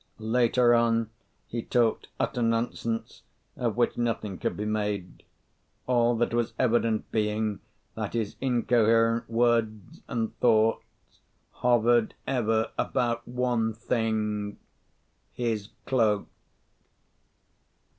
Later on he talked utter nonsense, of which nothing could be made: all that was evident being, that his incoherent words and thoughts hovered ever about one thing, his cloak.